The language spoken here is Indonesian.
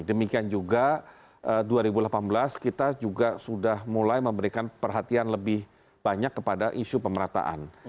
demikian juga dua ribu delapan belas kita juga sudah mulai memberikan perhatian lebih banyak kepada isu pemerataan